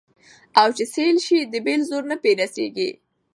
او چي سېل سي د پیل زور نه په رسیږي